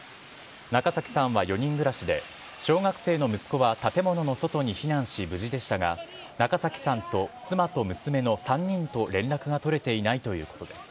中崎さんは４人暮らしで小学生の息子は建物の外に避難し、無事でしたが、中崎さんと妻と娘の３人と連絡が取れていないということです。